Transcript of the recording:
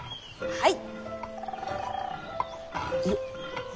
はい。